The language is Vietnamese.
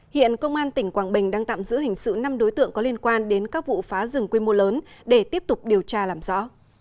hiện công an tỉnh quảng bình đang tạm giữ hình sự năm đối tượng có liên quan đến các vụ phá rừng quy mô lớn để tiếp tục điều tra làm rõ